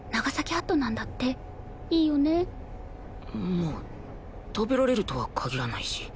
まあ食べられるとは限らないし。